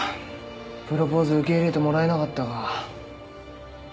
プロポーズ受け入れてもらえなかったか。